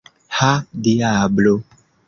Ha, diablo!